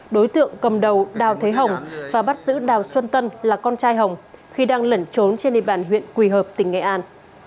đối tượng cầm đầu đào thế hồng và bắt giữ đào xuân tân là con trai hồng khi đang lẩn trốn trên địa bàn huyện quỳ hợp tỉnh nghệ an